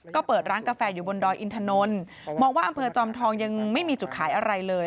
ก็เปิดร้านกาแฟอยู่บนดอยอินถนนมองว่าอำเภอจอมทองยังไม่มีจุดขายอะไรเลย